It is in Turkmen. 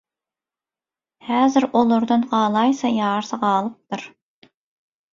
Häzir olardan galaýsa ýarsy galypdyr.